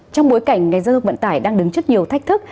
trong bối cảnh ngành giao thông vận tải đang đứng trước nhiều thách thức